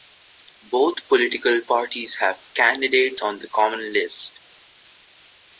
Both political parties have candidates on the common list.